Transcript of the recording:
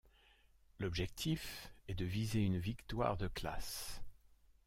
L'objectif est de viser une victoire de classe.